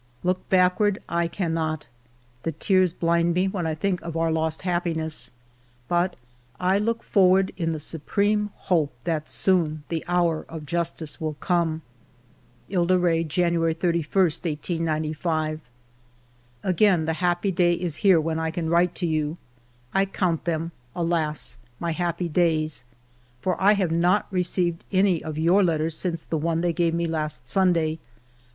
".Look backward I cannot. The tears blind ALFRED DREYFUS 85 me when I think of our lost happiness. But I look forward in the supreme hope that soon the hour of justice will come." *'Ile de Re, January 31, 1895. " Again the happy day is here when I can write to you. I count them, alas ! my happy days ! For I have not received any of your letters since the one they gave me last Sunday.